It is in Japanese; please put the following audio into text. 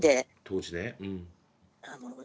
当時ね。